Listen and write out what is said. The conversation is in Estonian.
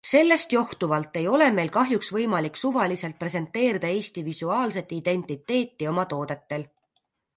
Sellest johtuvalt ei ole meil kahjuks võimalik suvaliselt presenteerida Eesti visuaalset identiteeti oma toodetel.